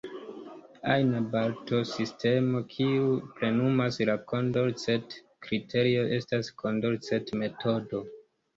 Ajna balotsistemo kiu plenumas la Kondorcet-kriterion estas Kondorcet-metodo.